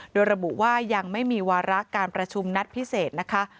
โดยระบุว่ายังไม่มีวาระการประชุมนัดพิเศษนะคะ